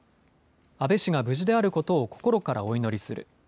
安倍氏が無事であることを心からお祈りする。